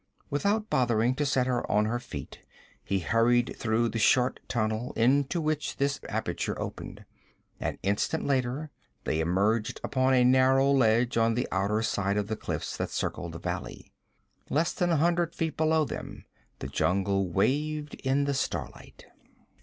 Without bothering to set her on her feet, he hurried through the short tunnel into which this aperture opened. An instant later they emerged upon a narrow ledge on the outer side of the cliffs that circled the valley. Less than a hundred feet below them the jungle waved in the starlight.